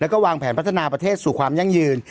แล้วก็วางแผนพัฒนาประเทศสู่ความยั่งยืน